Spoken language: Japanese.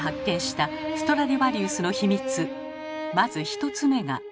まず１つ目が。